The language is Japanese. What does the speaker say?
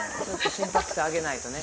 心拍数上げないとね」